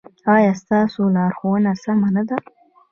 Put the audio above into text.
ایا ستاسو لارښوونه سمه نه ده؟